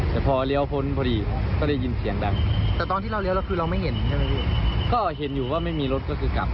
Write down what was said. ตอนที่เราลงมาดูพวกเวลาบัสเจ็บจึงมีอาการยังไงครับ